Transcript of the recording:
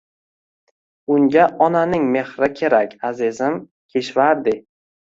Unga onaning mehri kerak, azizim Kishvardi!